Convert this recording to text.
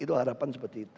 itu harapan seperti itu